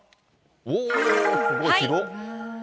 おー、すごい、広い。